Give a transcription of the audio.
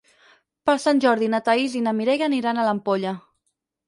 Per Sant Jordi na Thaís i na Mireia aniran a l'Ampolla.